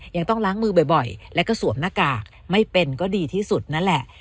ยังต้องล้างมือบ่อยแล้วก็สวมหน้ากากไม่เป็นก็ดีที่สุดนั่นแหละ